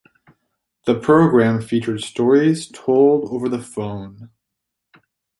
The program featured stories told over the phone.